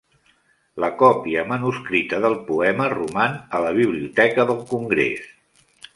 La còpia manuscrita del poema roman a la Biblioteca del Congrés.